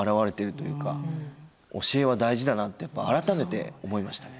教えは大事だなって改めて思いましたね。